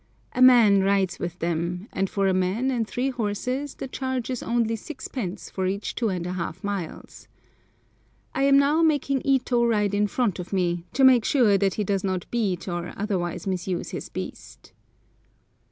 A man rides with them, and for a man and three horses the charge is only sixpence for each 2½ miles. I am now making Ito ride in front of me, to make sure that he does not beat or otherwise misuse his beast.